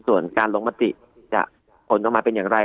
ส่วนการลงมติจะผลออกมาเป็นอย่างไร